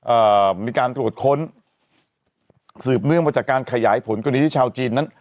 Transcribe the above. เอ่อมีการตรวจค้นสืบเนื่องมาจากการขยายผลกรณีที่ชาวจีนนั้น